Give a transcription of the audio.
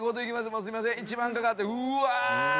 もうすいません一番かかってうわーっう